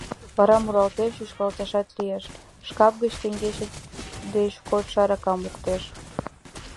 Вара муралтен чӱчкалташат лиеш, — шкап гыч теҥгече деч кодшо аракам луктеш.